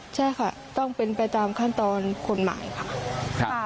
ใช่ค่ะต้องเป็นไปตามขั้นตอนกฎหมายค่ะ